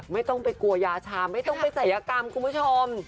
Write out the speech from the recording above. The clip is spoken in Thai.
ไม่ต้องไปกลัวยาชาไม่ต้องไปศัยกรรมคุณผู้ชม